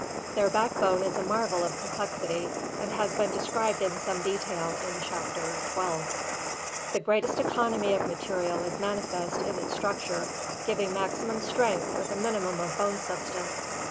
Their backbone is a marvel of complexity and has been described in some detail in Chapter XII. The greatest economy of material is manifest in its structure, giving maximum strength with a minimum of bony substance.